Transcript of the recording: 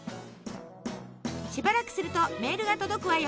しばらくするとメールが届くわよ。